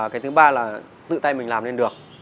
cái thứ ba là tự tay mình làm lên được